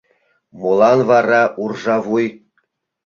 - Молан вара уржавуй?